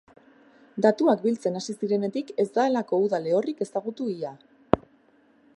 Datuak biltzen hasi zirenetik ez da halako uda lehorrik ezagutu ia.